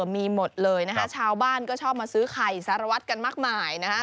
มีหมดเลยนะฮะชาวบ้านก็ชอบมาซื้อไข่สารวัตรกันมากมายนะฮะ